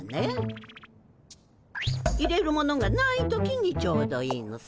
入れるものがない時にちょうどいいのさ。